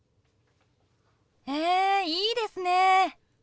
へえいいですね。